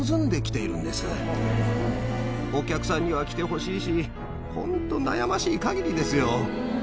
お客さんには来てほしいしホント悩ましい限りですよ。